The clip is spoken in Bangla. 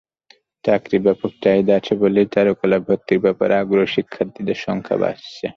চাকরির ব্যাপক চাহিদা আছে বলেই চারুকলায় ভর্তির ব্যাপারে আগ্রহী শিক্ষার্থীর সংখ্যা বাড়ছে।